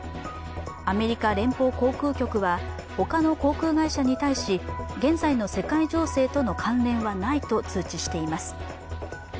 アメリカ連邦航空局は他の航空会社に対し現在の世界情勢との関連はないと通知しています。